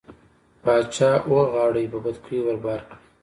باچا اوه غاړۍ په بتکيو ور بار کړې.